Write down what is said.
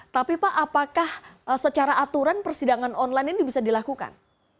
tapi pak apakah secara aturan persidangan online ini bisa dilakukan